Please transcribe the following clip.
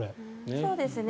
そうですね。